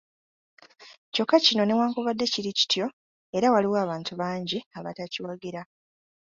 Kyokka kino newankubadde kiri kityo, era waliwo abantu bangi abatakiwagira.